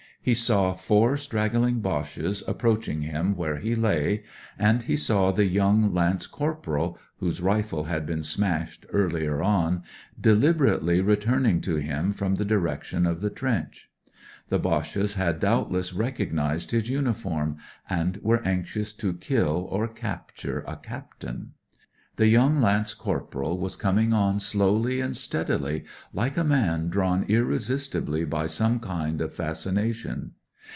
He saw four straggling Boches approach ing him where he lay, and he saw the young lance corporal (whose rifle had been smashed earlier on) deliberately retimiing to him from the direction of the trench. The Boches had doubtless recognised his uniform, and were anxious to kill or 214 THE SOUTH AFRICAN capture a captain. The young lance corporal was coming on slowly and steadily, like a man drawn irresistibly by some kind of fascination.